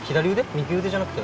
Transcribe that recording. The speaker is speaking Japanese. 右腕じゃなくて？